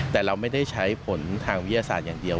แต่เราไม่ได้ใช้ผลทางวิทยาศาสตร์อย่างเดียว